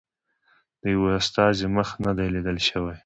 د یوه استازي مخ نه دی لیدل شوی.